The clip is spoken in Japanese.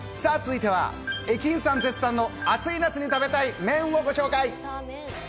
続いては駅員さん絶賛の夏に食べたい麺をご紹介。